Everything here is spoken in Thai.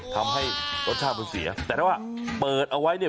ทำให้รสชาติมันเสียแต่ถ้าว่าเปิดเอาไว้เนี่ย